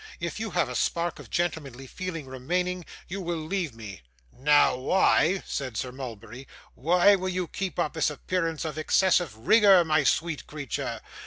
If you have a spark of gentlemanly feeling remaining, you will leave me.' 'Now why,' said Sir Mulberry, 'why will you keep up this appearance of excessive rigour, my sweet creature?